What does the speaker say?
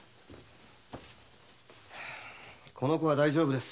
この子は大丈夫です。